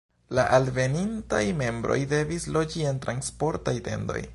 La alvenintaj membroj devis loĝi en transportaj tendoj.